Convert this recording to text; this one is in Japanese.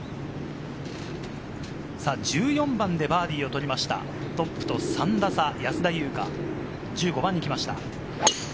１４番でバーディーを取りました、トップと３打差、安田祐香、１５番にきました。